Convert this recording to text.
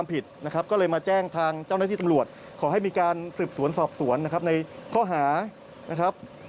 ผู้บัจจาการตำรวจผู้ทอนภาค๑